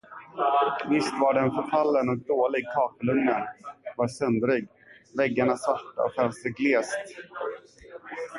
Visst var den förfallen och dålig, kakelugnen var söndrig, väggarna svarta och fönstret glest.